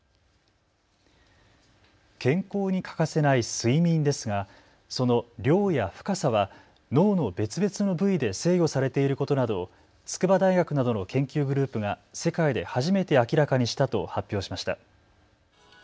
健康に欠かせない睡眠ですがその量や深さは脳の別々の部位で制御されていることなどを筑波大学などの研究グループが世界で初めて明らかにしたと発表しました。